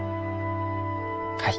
はい。